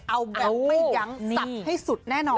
เอาแบบไม่ยั้งสับให้สุดแน่นอน